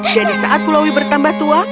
jadi saat pulowi bertambah tua